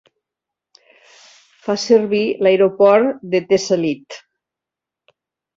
Fa servir l'aeroport de Tessalit.